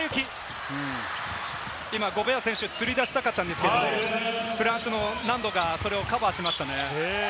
今ゴベア選手、つり出したかったんですけれども、フランスも何とかそれをカバーしましたね。